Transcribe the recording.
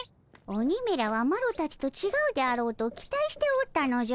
鬼めらはマロたちとちがうであろうと期待しておったのじゃ。